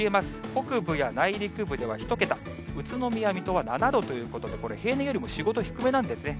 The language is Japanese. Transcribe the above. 北部や内陸部では１桁、宇都宮、水戸は７度ということで、これ、平年よりも４、５度低めなんですね。